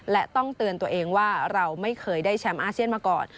และต้องเตือนตัวเองว่าเราไม่เคยได้แชมป์อาเซียนมาก่อน